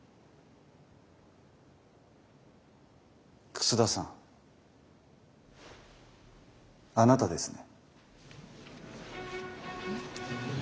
楠田さんあなたですね？